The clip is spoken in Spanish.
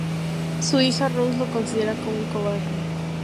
Su hija, Rose, lo considera como un cobarde.